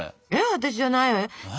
私じゃないわよ。